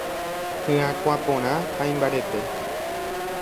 Hyakuã porã ha imbarete.